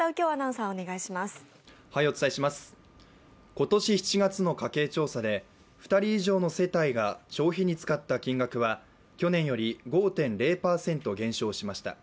今年７月の家計調査で２人以上の世帯が消費に使った金額は去年より５．０％減少しました。